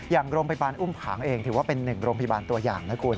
อย่างโรงพยาบาลอุ้มผางเองถือว่าเป็นหนึ่งโรงพยาบาลตัวอย่างนะคุณ